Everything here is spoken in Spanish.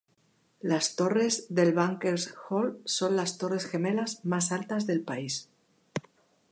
Las torres del Bankers Hall son las torres gemelas más altas del país.